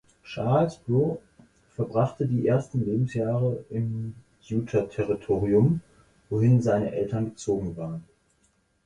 Charles Brough verbrachte die ersten Lebensjahre im Utah-Territorium, wohin seine Eltern gezogen waren.